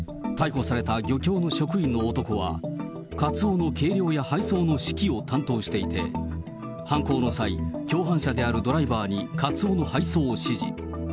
逮捕された漁協の職員の男は、カツオの計量や配送の指揮を担当していて、犯行の際、共犯者であるドライバーにカツオの配送を指示。